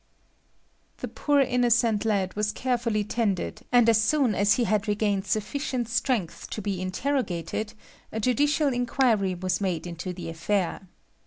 The poor innocent lad was carefully tended, and as soon as he had regained sufficient strength to be interrogated a judicial inquiry was made into the affair.